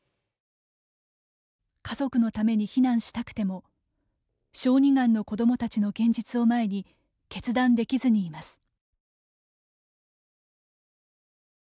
家族のために避難したくても小児がんの子どもたちの現実を前に決断できずにいます。